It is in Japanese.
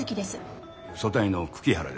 組対の久木原です。